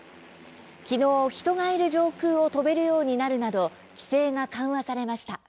昨日、人がいる上空を飛べるようになるなど規制が緩和されました。